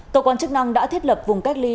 cơ quan chức năng đã thiết lập vùng cách ly